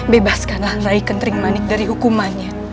bebaskanlah lai kentering manik dari hukumannya